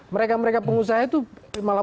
mereka mereka pengusaha itu malah